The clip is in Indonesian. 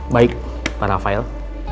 baik para file